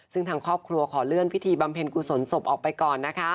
ซึ่งทางครอบครัวขอเลื่อนพิธีบำเพ็ญกุศลศพออกไปก่อนนะคะ